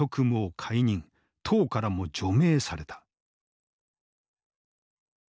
党からも除名された。